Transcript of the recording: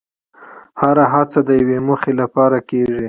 هره هڅه د یوې موخې لپاره کېږي.